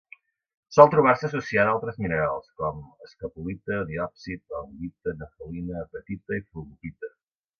Sol trobar-se associada a altres minerals com: escapolita, diòpsid, albita, nefelina, apatita i flogopita.